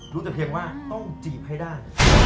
รู้แต่เพียงว่าต้องจีบให้ได้